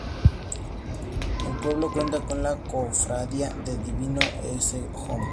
El pueblo cuenta con la cofradía del Divino Ecce Homo.